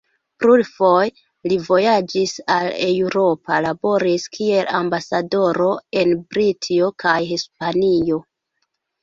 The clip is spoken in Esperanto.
Plurfoje li vojaĝis al Eŭropo, laboris kiel ambasadoro en Britio kaj Hispanio.